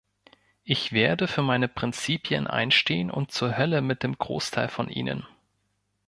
Ich werde für meine Prinzipien einstehen und zur Hölle mit dem Großteil von Ihnen.